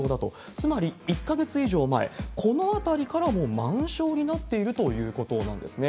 つまり１か月以上前、このあたりからもう満床になっているということなんですね。